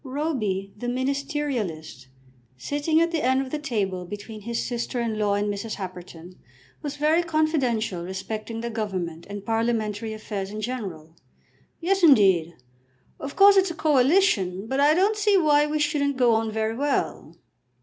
Roby the ministerialist, sitting at the end of the table between his sister in law and Mrs. Happerton, was very confidential respecting the Government and parliamentary affairs in general. "Yes, indeed; of course it's a coalition, but I don't see why we shouldn't go on very well.